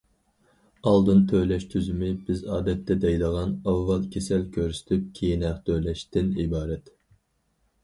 ئالدىن تۆلەش تۈزۈمى بىز ئادەتتە دەيدىغان« ئاۋۋال كېسەل كۆرسىتىپ كېيىن ھەق تۆلەش» تىن ئىبارەت.